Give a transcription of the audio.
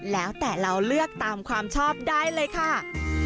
แล้วแต่เราเลือกตามความชอบได้เลยค่ะ